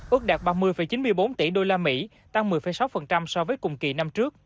ước đạt ba mươi chín mươi bốn tỷ đô la mỹ tăng một mươi sáu so với cùng kỳ năm trước